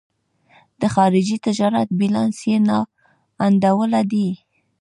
د خارجي تجارت بیلانس یې نا انډوله دی.